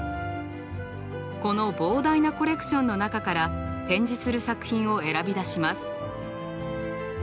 この膨大なコレクションの中から展示する作品を選び出します。